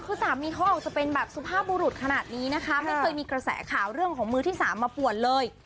คือสามีเขาออกจะเป็นแบบสุภาพบุรุษขนาดนี้นะคะไม่เคยมีกระแสข่าวเรื่องของมือที่สามมาป่วนเลย